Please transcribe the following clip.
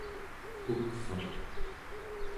ukveq